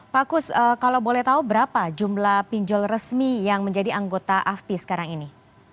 pak kus kalau boleh tahu berapa jumlah pinjol resmi yang menjadi anggota afpi sekarang ini